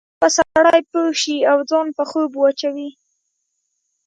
بیا ناڅاپه سړی پوه شي او ځان په خوب واچوي.